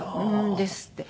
ですって。